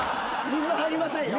水入りませんよ。